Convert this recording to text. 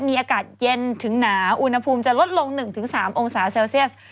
มีอากาศเย็นถึงหนาอุณหภูมิจะลดลง๑๓องศาเซลเซียส